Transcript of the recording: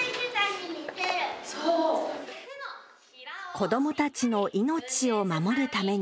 子どもたちの命を守るために。